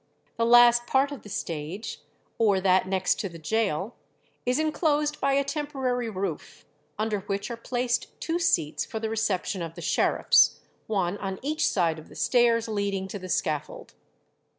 The last part of the stage, or that next to the gaol, is enclosed by a temporary roof, under which are placed two seats for the reception of the sheriffs, one on each side of the stairs leading to the scaffold.